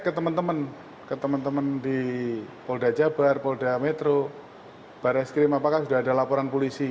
ke teman teman di polda jabar polda metro barreskrim apakah sudah ada laporan polisi